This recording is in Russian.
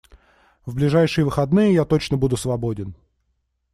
В ближайшие выходные я точно буду свободен.